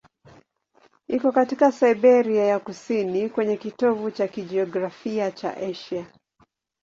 Iko katika Siberia ya kusini, kwenye kitovu cha kijiografia cha Asia.